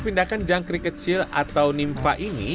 pindahkan jangkrik kecil atau nimpa ini